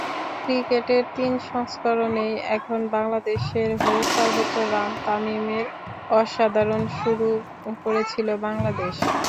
ক্রিকেটের তিন সংস্করণেই এখন বাংলাদেশের হয়ে সর্বোচ্চ রান তামিমেরঅসাধারণ শুরু করেছিল বাংলাদেশ।